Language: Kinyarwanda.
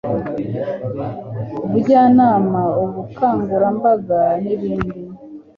ubujyanama ubukangurambaga n ibindi